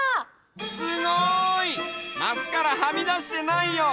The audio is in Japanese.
すごい！マスからはみだしてないよ！